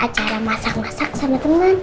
acara masak masak sama teman